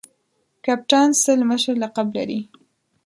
کپتان سل مشر لقب لري.